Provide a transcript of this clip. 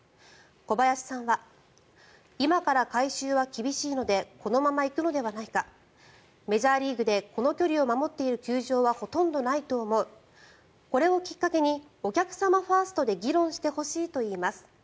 小林さんは今から改修は厳しいのでこのままいくのではないかメジャーリーグでこの距離を守っている球場はほとんどないと思うこれをきっかけにお客様ファーストで議論してほしいといいます。